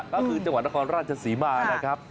ก็คือจังหวัดนครราชศรีมานะครับ